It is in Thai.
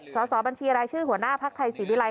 สอบบัญชีรายชื่อหัวหน้าภักดิ์ไทยศรีวิรัย